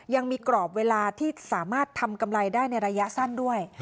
ยังมีกรอบเวลาที่สามารถทำกำไรได้ในระยะสั้นด้วย